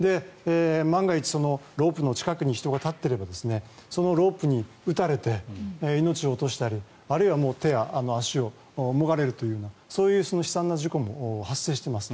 万が一、ロープの近くに人が立っていればそのロープに打たれて命を落としたりあるいは手や足をもがれるというそういう悲惨な事故も発生しています。